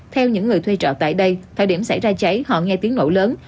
theo những người thuê trọ tại đây thời điểm xảy ra cháy họ nghe tiếng nổ lớn